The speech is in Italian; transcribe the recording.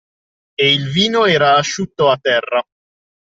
E il vino era asciutto a terra